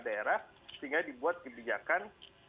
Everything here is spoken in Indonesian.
sehingga dibuat kebijakan